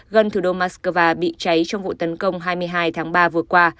gần thủ đô moscow bị cháy trong vụ tấn công hai mươi hai tháng ba vừa qua